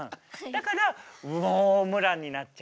だからウオームランになっちゃう。